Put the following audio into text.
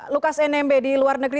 lukas nmb di luar negeri